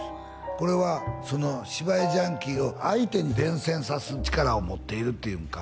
これはその芝居ジャンキーを相手に伝染さす力を持っているっていうんか